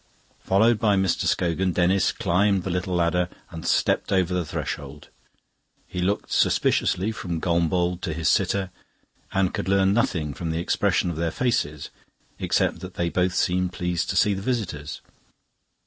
Followed by Mr. Scogan, Denis climbed the little ladder and stepped over the threshold. He looked suspiciously from Gombauld to his sitter, and could learn nothing from the expression of their faces except that they both seemed pleased to see the visitors.